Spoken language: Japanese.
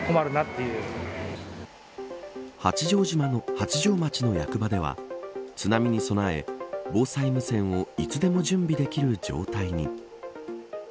八丈町の役場では津波に備え、防災無線をいつでも準備できる状態に。